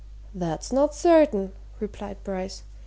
"That's not certain," replied Bryce.